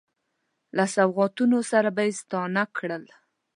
له سوغاتونو سره به یې ستانه کړل.